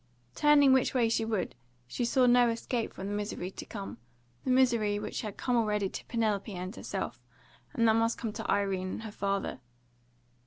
Turn which way she would, she saw no escape from the misery to come the misery which had come already to Penelope and herself, and that must come to Irene and her father.